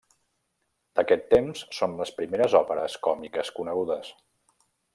D'aquest temps són les primeres òperes còmiques conegudes.